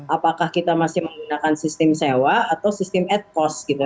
apakah kita masih menggunakan sistem sewa atau sistem at cost gitu